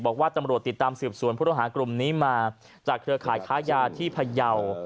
บอกว่าตำรวจติดตามสืบสวนผู้ต้องหากลุ่มนี้มาจากเครือข่ายค้ายาที่พยาว